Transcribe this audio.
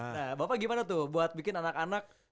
nah bapak gimana tuh buat bikin anak anak